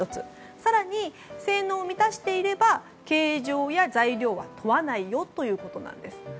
更に性能を満たしていれば形状や材料は問わないよということなんです。